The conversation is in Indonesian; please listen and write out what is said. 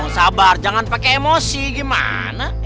sabar jangan pakai emosi gimana